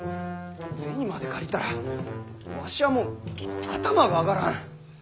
銭まで借りたらわしはもう頭が上がらん。